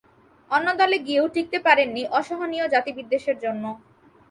অন্য দলে গিয়েও টিকতে পারেননি অসহনীয় জাতি-বিদ্বেষের জন্য।